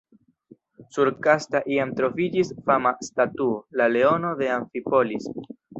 Sur Kasta iam troviĝis fama statuo “La leono de Amfipolis”.